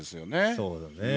そうだね。